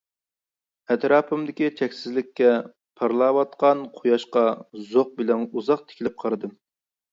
ئەتراپىمدىكى چەكسىزلىككە پارلاۋاتقان قۇياشقا زوق بىلەن ئۇزاق تىكىلىپ قارىدىم.